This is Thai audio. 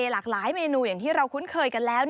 หลากหลายเมนูอย่างที่เราคุ้นเคยกันแล้ว